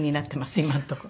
今のとこ。